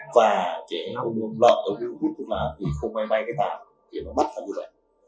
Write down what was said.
và ông lợi hút là vì không may may cái bàn thì nó mất là như vậy